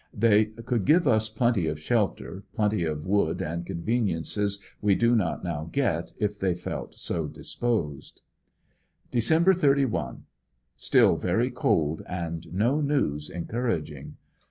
They could give us plenty of shelter, plenty of wood and conveniences we do not now get if they felt so disposed. Dec 31. — Still very cold and no news encouraging.